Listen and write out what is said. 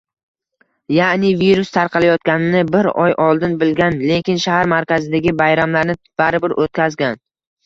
Yaʼni u virus tarqalayotganini bir oy oldin bilgan, lekin shahar markazidagi bayramlarni baribir oʻtkazgan